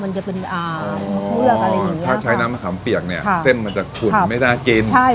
มันจะเป็นถ้าใช้น้ำมะขามเปียกเนี่ยเส้นมันจะขุ่นไม่น่ากินใช่